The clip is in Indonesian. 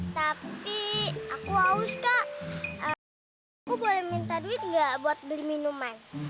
tapi aku haus kak aku boleh minta duit gak buat beli minuman